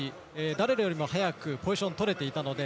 誰よりも早くポジションをとれていたので。